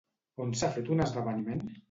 On s'ha fet un esdeveniment?